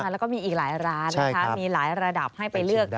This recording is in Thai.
แล้วก็มีอีกหลายร้านมีหลายระดับให้ไปเลือก